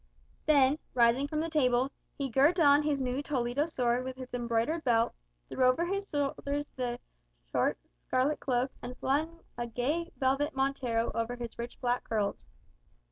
Then, rising from the table, he girt on his new Toledo sword with its embroidered belt, threw over his shoulders his short scarlet cloak, and flung a gay velvet montero over his rich black curls.